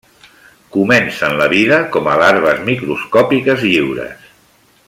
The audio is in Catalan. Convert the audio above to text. Comencen la vida com a larves microscòpiques lliures.